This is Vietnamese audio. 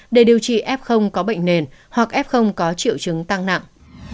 để điều trị f có bệnh nền hoặc f có triệu chứng tăng nặng